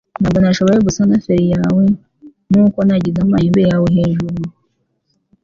Ntabwo nashoboye gusana feri yawe, nuko nagize amahembe yawe hejuru.